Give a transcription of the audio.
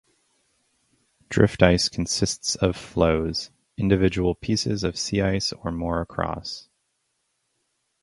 Drift ice consists of "floes", individual pieces of sea ice or more across.